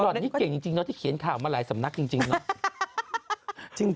พอเดี่ยวเจ๊เก่งจริงพอดีเขียนข่าวมาหลายสำนักจริง